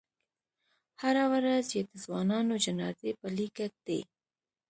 هره ورځ یې د ځوانانو جنازې په لیکه دي.